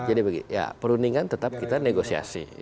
jadi begini ya perundingan tetap kita negosiasi